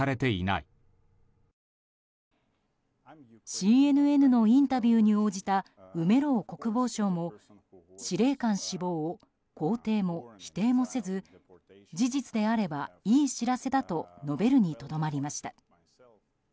ＣＮＮのインタビューに応じたウメロウ国防相も司令官死亡を肯定も否定もせず事実であればいい知らせだと述べるにとどまりました。